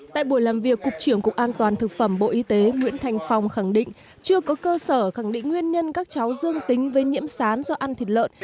tại buổi làm việc cục trưởng cục an toàn thực phẩm bộ y tế nguyễn thành phong khẳng định chưa có cơ sở khẳng định nguyên nhân các cháu dương tính với nhiễm sán do ăn thịt lợn